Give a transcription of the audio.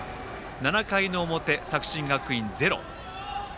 ７回の表、作新学院、ゼロ。